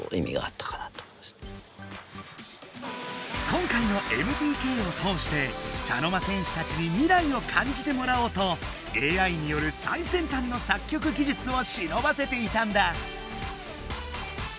今回のＭＴＫを通して茶の間戦士たちに未来を感じてもらおうとＡＩによる最先端の作曲技術をしのばせていたんだ。